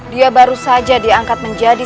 dia baru saja diangkat menjadi